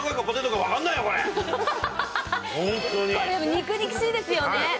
肉肉しいですよね。